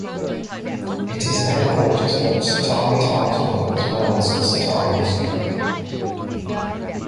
It is the headquarters of Satara Tahsil, as well as Satara District.